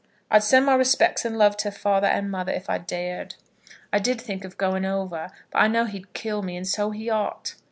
I'd send my respects and love to father and mother, if I dared. I did think of going over; but I know he'd kill me, and so he ought.